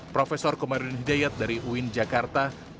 profesor komarudin hidayat dari ui jakarta